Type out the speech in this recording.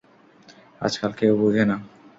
আজকাল কেউ বোঝে না।